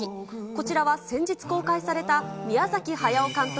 こちらは先日公開された、宮崎駿監督